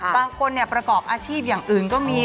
บางคนเนี่ยประกอบอาชีพอย่างอื่นก็มี